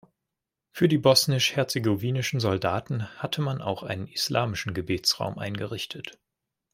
Für die bosnisch-herzegowinischen Soldaten hatte man auch einen islamischen Gebetsraum eingerichtet.